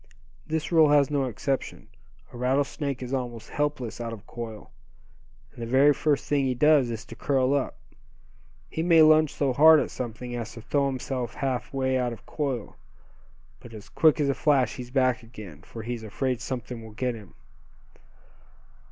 This rule has no exception. A rattlesnake is almost helpless out of coil, and the very first thing he does is to curl up. He may lunge so hard at something as to throw himself half way out of coil; but as quick as a flash he's back again, for he's afraid something will get him."